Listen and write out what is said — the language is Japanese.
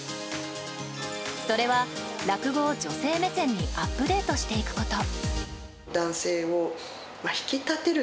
それは落語を女性目線にアップデートしていくこと。